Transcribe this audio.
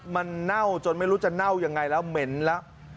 มันเน่าจนไม่รู้จะเน่ายังไงแล้วเหม็นแล้ว